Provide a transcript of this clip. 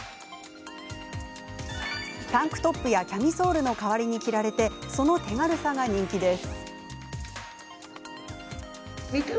タンクトップやキャミソールの代わりに着られてその手軽さが人気です。